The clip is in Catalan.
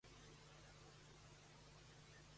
En aquesta darrera, per què fuig Caune?